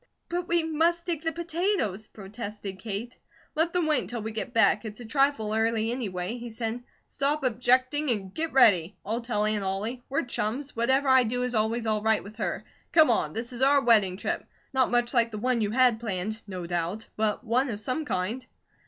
"But we must dig the potatoes," protested Kate. "Let them wait until we get back; it's a trifle early, anyway," he said. "Stop objecting and get ready! I'll tell Aunt Ollie. We're chums. Whatever I do is always all right with her. Come on! This is our wedding trip. Not much like the one you had planned, no doubt, but one of some kind."